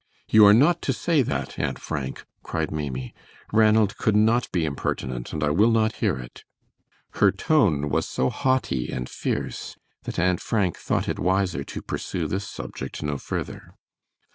"You are not to say that, Aunt Frank," cried Maimie. "Ranald could not be impertinent, and I will not hear it." Her tone was so haughty and fierce that Aunt Frank thought it wiser to pursue this subject no further.